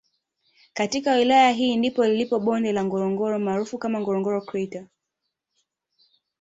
Katika wilaya hii ndipo lilipo bonde la Ngorongoro maarufu kama Ngorongoro kreta